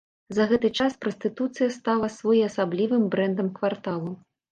За гэты час прастытуцыя стала своеасаблівым брэндам кварталу.